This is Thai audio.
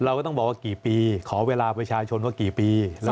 เราก็ต้องบอกว่ากี่ปีขอเวลาประชาชนว่ากี่ปี